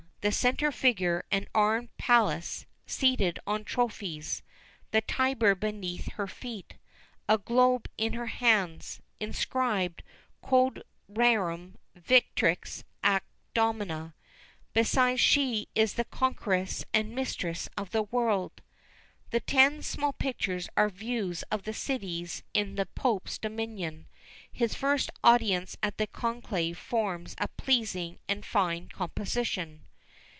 The centre figure an armed Pallas seated on trophies, the Tyber beneath her feet, a globe in her hands, inscribed Quod rerum victrix ac domina, "Because she is the Conqueress and Mistress of the World." The ten small pictures are views of the cities in the pope's dominion. His first audience at the conclave forms a pleasing and fine composition.